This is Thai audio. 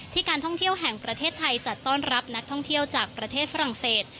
การท่องเที่ยวแห่งประเทศไทยจัดต้อนรับนักท่องเที่ยวจากประเทศฝรั่งเศส